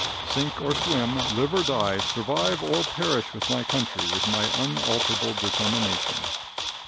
Sink or swim, live or die, survive or perish with my country is my unalterable determination."